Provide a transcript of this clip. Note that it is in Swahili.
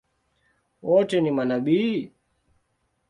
Wote ni manabii?